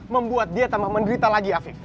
membuat dia tambah menderita lagi aviv